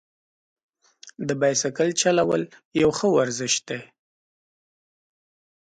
د بایسکل چلول یو ښه ورزش دی.